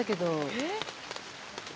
えっ？